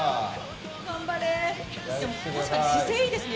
確かに姿勢、いいですね。